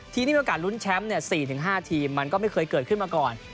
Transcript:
ที่มีโอกาสลุ้นแชมป์๔๕ทีมมันก็ไม่เคยเกิดขึ้นมาก่อน